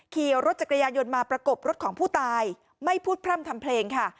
ขี่รถจักรยานยนต์มาประกบรถของผู้ตายไม่พูดพร่ำทำเพลงค่ะ